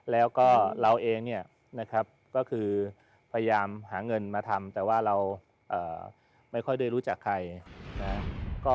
แล้วก็เราเองก็คือพยายามหาเงินมาทำแต่ว่าเราไม่ค่อยได้รู้จักใคร